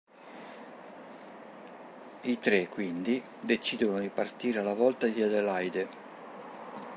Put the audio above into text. I tre, quindi, decidono di partire alla volta di Adelaide.